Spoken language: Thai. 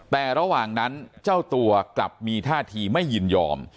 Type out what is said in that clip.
แต่ระหว่างนั้นเจ้าตัวกลับมีท่าทีไม่ยินยอม